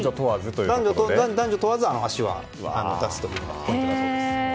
男女問わず足は出すというのがポイントだそうです。